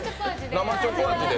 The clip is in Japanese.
生チョコ味で。